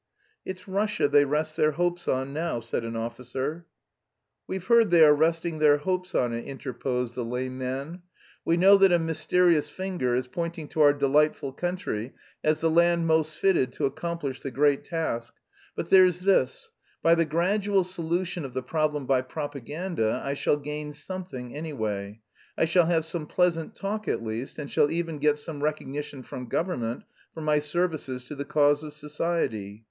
"It's Russia they rest their hopes on now," said an officer. "We've heard they are resting their hopes on it," interposed the lame man. "We know that a mysterious finger is pointing to our delightful country as the land most fitted to accomplish the great task. But there's this: by the gradual solution of the problem by propaganda I shall gain something, anyway I shall have some pleasant talk, at least, and shall even get some recognition from government for my services to the cause of society.